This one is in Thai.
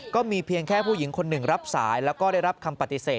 ก็มีเพียงแค่ผู้หญิงคนหนึ่งรับสายแล้วก็ได้รับคำปฏิเสธ